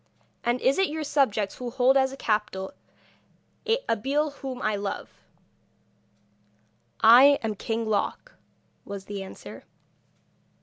And is it your subjects who hold as a captive Abeille whom I love?' 'I am King Loc,' was the answer.